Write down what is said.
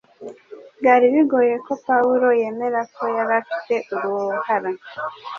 Byari bigoye ko Pawulo yemera ko yari afite uruhara